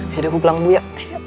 yaudah bu pulang bu ya